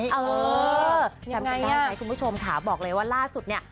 จำกันได้ไหมคุณผู้ชมค่ะบอกเลยว่าล่าสุดเนี่ย